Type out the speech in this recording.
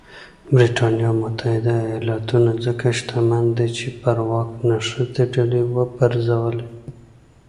برېټانیا او متحده ایالتونه ځکه شتمن دي چې پر واک نښتې ډلې وپرځولې.